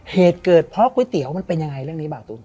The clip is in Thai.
เหตุเกิดเพราะก๋วยเตี๋ยวมันเป็นยังไงเรื่องนี้เบาตุ้น